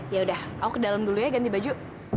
yaudah aku ke dalam dulu ya ganti baju